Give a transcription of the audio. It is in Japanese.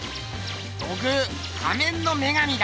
土偶「仮面の女神」だ！